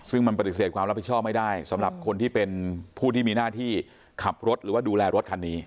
ซึ่งมันปฏิเสธความรับผิดชอบไม่ได้สำหรับคนที่เป็นผู้ที่มีหน้าที่ขับรถหรือว่าดูแลรถคันนี้